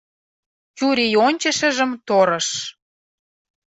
Чурийончышыжым торыш